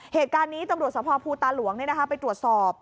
เหตุการณ์นี้ตรงบริษัทสภาพูตาหลวงไปตรวจสอบ